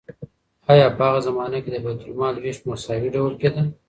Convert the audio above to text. آیا په هغه زمانه کې د بیت المال ویش په مساوي ډول کیده؟